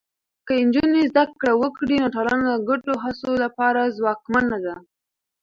که نجونې زده کړه وکړي، نو ټولنه د ګډو هڅو لپاره ځواکمنه ده.